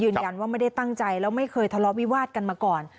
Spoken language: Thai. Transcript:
ไม่ได้ตั้งใจแล้วไม่เคยทะเลาะวิวาดกันมาก่อน